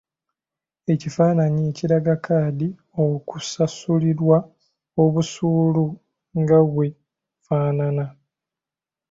Ekifaananyi ekiraga kkaadi okusasulirwa obusuulu nga bw'efaanana.